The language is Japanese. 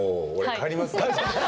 帰ります